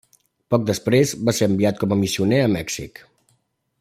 Poc després, va ser enviat com a missioner a Mèxic.